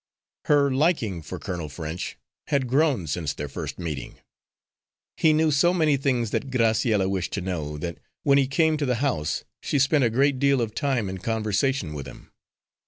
Her liking for Colonel French had grown since their first meeting. He knew so many things that Graciella wished to know, that when he came to the house she spent a great deal of time in conversation with him.